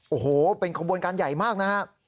โอ้โหเป็นของบริการใหญ่มากนะครับ